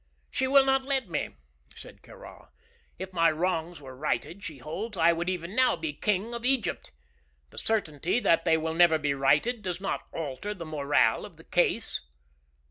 "She will not let me," said Kāra. "If my wrongs were righted, she holds, I would even now be king of Egypt. The certainty that they will never be righted does not alter the morale of the case."